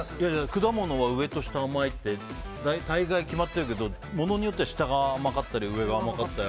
果物は上と下が甘いって大概、決まってるけど物によっては下が甘かったり上が甘かったり。